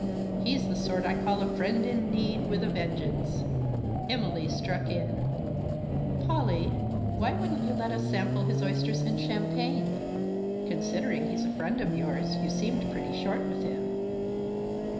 He's the sort I call a friend in need with a vengeance." Emily struck in. " Polly, why wouldn't you let us sample his oysters and champagne ? Considering he's a friend of yours, you seemed pretty short with him."